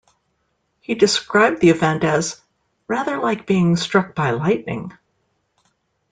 He described the event as "rather like being struck by lightning".